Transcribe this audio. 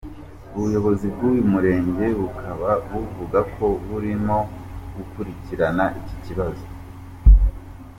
Ubuyobozi bwuyu murenge bukaba buvuga ko burimo gukurikirana iki kibazo.